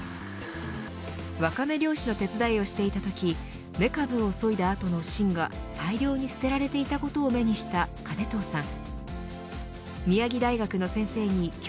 ワカメ漁師の手伝いをしていたときメカブをそいだ後の芯が大量に捨てられていたことを目にした金藤さん。